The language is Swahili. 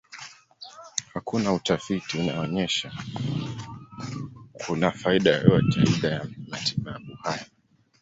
Hakuna utafiti unaonyesha kuna faida yoyote aidha ya matibabu haya.